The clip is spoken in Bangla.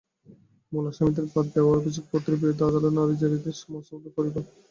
মূল আসামিদের বাদ দেওয়ায় অভিযোগপত্রের বিরুদ্ধে আদালতে নারাজি দেয় মাসউদের পরিবার।